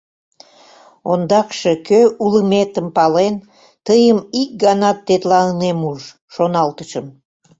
Ондакше, кӧ улметым пален, тыйым ик ганат тетла ынем уж, шоналтышым.